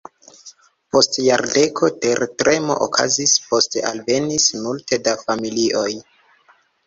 Post jardeko tertremo okazis, poste alvenis multe da familioj.